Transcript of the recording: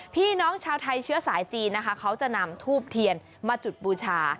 พี่น้องชาวไทยเชื้อสายจีนนะคะเขาจะนำทูบเทียนมาจุดบูชา